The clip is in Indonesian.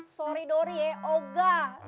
sorry dori ya oh enggak